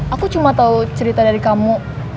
aku cuma tahu cerita dari kamu